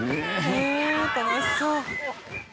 へえ楽しそう。